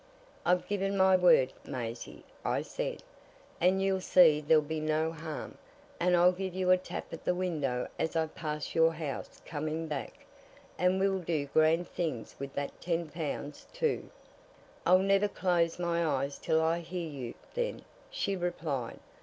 "I've given my word, Maisie," I said. "And you'll see there'll be no harm, and I'll give you a tap at the window as I pass your house coming back. And we'll do grand things with that ten pounds, too." "I'll never close my eyes till I hear you, then," she replied.